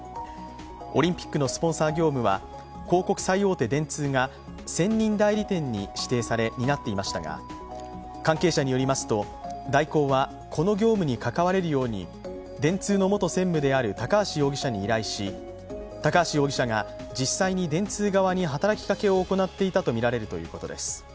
オリンピックのスポンサー業務は広告最大手、電通が専任代理店に指定され担っていましたが、関係者によりますと、大広はこの業務に関われるように電通の元専務である高橋容疑者に依頼し高橋容疑者が実際に電通側に働きかけを行っていたとみられるということです。